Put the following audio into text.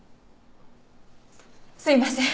すいません。